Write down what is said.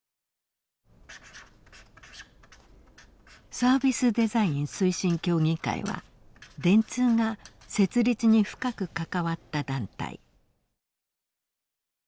サービスデザイン推進協議会は電通が設立に深く関わった団体。